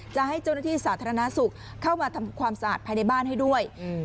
จะให้เจ้าหน้าที่สาธารณสุขเข้ามาทำความสะอาดภายในบ้านให้ด้วย